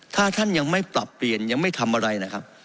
ถ้าท่านยังไม่ปรับเปลี่ยนยังไม่ทำอะไรนะครับ